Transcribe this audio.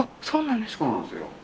そうなんですよ。